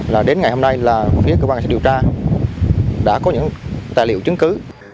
là đến ngày hôm nay là phía cơ quan sẽ điều tra đã có những tài liệu chứng cứ